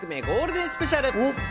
ゴールデンスペシャル。